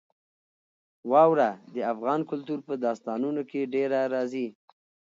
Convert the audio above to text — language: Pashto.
واوره د افغان کلتور په داستانونو کې ډېره راځي.